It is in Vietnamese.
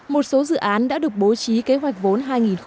một số dự án đã được bố trí kế hoạch vốn hai nghìn một mươi tám